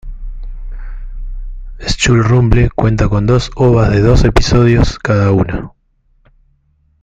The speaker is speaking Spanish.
School Rumble cuenta con dos ovas de dos episodios cada una.